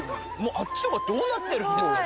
あっちとかどうなってるんですかこれ。